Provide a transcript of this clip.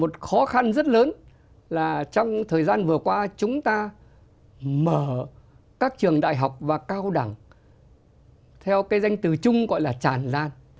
trong thời gian vừa qua chúng ta mở các trường đại học và cao đẳng theo cái danh từ chung gọi là tràn gian